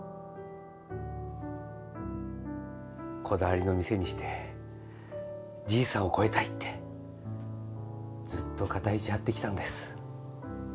こだわりの店にしてじいさんを超えたいってずっと肩肘張ってきたんです。